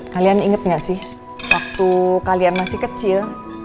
kalian inget nggak sih waktu kalian masih kecil